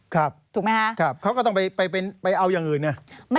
ครับครับเขาก็ต้องไปเอายังอื่นนะเป็นเน็ตถูกไหมฮะ